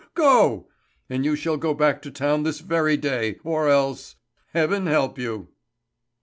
Go! And you shall go back to town this very day, or else heaven help you!"